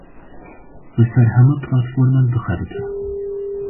Li ser hemû platforman dixebite.